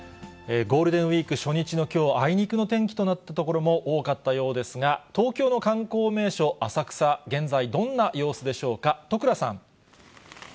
ゴールデンウィーク初日のきょう、あいにくの天気となった所も多かったようですが、東京の観光名所、浅草は現在、どんな様子でしょうか。